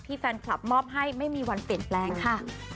แฟนคลับมอบให้ไม่มีวันเปลี่ยนแปลงค่ะ